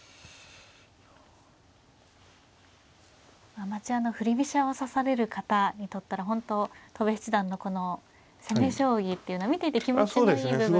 アマチュアの振り飛車を指される方にとったら本当戸辺七段のこの攻め将棋っていうのは見ていて気持ちのいい部分が。